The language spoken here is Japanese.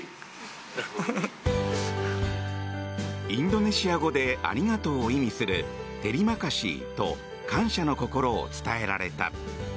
インドネシア語でありがとうを意味するテリマカシーと感謝の心を伝えられた。